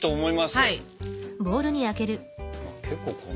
はい！